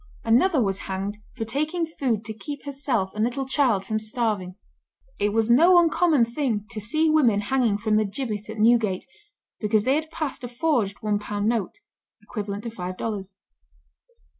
Another was hanged for taking food to keep herself and little child from starving. It was no uncommon thing to see women hanging from the gibbet at Newgate, because they had passed a forged one pound note (five dollars).